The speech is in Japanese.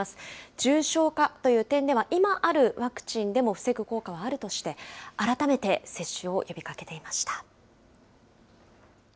重症化という点では、今あるワクチンでも防ぐ効果はあるとして、改めて接種を呼びかけ